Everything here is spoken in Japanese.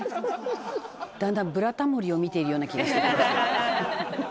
だんだん『ブラタモリ』を見ているような気がしてきました。